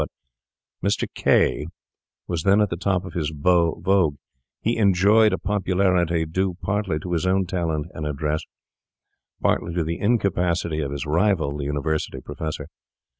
But Mr. K— was then at the top of his vogue; he enjoyed a popularity due partly to his own talent and address, partly to the incapacity of his rival, the university professor.